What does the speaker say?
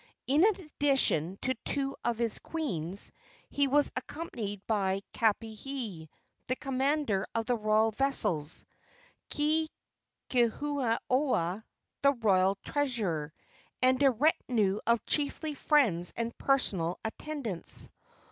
In addition to two of his queens, he was accompanied by Kapihe, the commander of the royal vessels; Kekuanaoa, the royal treasurer, and a retinue of chiefly friends and personal attendants.